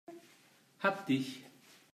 Hab dich!